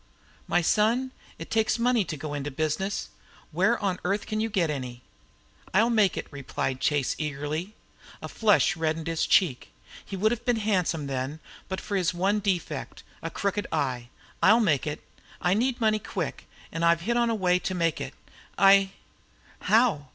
"My son, it takes money to go into business. Where on earth can you get any?" "I'll make it," replied Chase, eagerly. A flush reddened his cheek. He would have been handsome then, but for his one defect, a crooked eye. "I'll make it. I need money quick and I've hit on the way to make it. I " "How?"